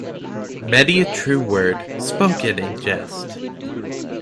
Many a true word spoken in jest.